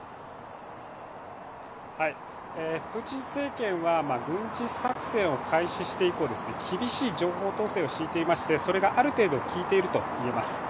プーチン政権は軍事作戦を開始して以降、厳しい情報統制を敷いていまして、それがきいていると言えます。